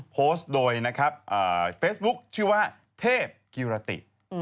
โพสต์โดยเฟซบุ๊กชื่อว่าเทพกิวราติ